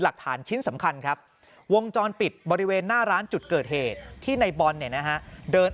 หลักฐานชิ้นสำคัญครับวงจรปิดบริเวณหน้าร้านจุดเกิดเหตุที่ในบอลเนี่ยนะฮะเดิน